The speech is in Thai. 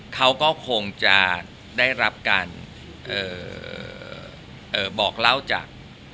เขาก็คงจะได้รับกันเอ่อเอ่อบอกเล่าจาก